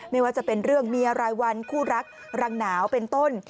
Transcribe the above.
ไม่ว่าจะเป็นเรื่องเมียรายวันคู่รักรังหนาวเป็นต้น